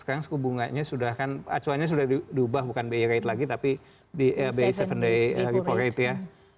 sekarang suku bunganya sudah kan acuannya sudah diubah bukan bi rate lagi tapi bi tujuh day report rate ya